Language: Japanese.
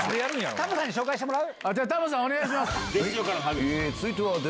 タモさんに紹介してもらう？